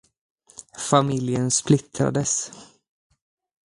Familjen splittrades.